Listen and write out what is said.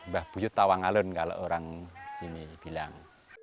bah bujut tawa ngalun kalau orang sini bilang